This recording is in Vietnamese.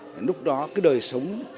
lúc đó cái đời sống